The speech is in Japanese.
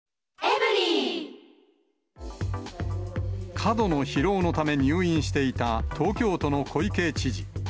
過度の疲労のため入院していた東京都の小池知事。